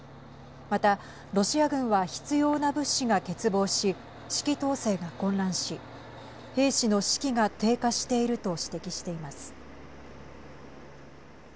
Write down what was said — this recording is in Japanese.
また、ロシア軍は必要な物資が欠乏し指揮統制が混乱し兵士の士気が低下していると指摘しています。